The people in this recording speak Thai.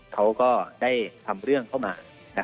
เขาก็ได้ทำเรื่องเข้ามา